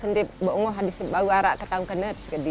ndek kuah sama sekali